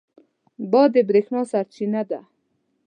باد د برېښنا سرچینه ده.